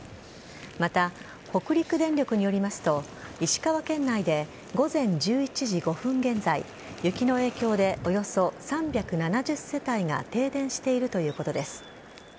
また北陸電力によりますと石川県内で午前１１時５分現在雪の影響で、およそ３７０世帯が停電しているということです。